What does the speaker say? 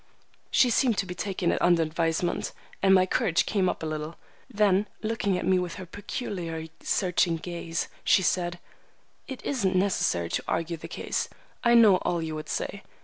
She seemed to be taking it under advisement, and my courage came up a little. Then, looking at me with her peculiarly searching gaze, she said, "It isn't necessary to argue the case; I know all you would say.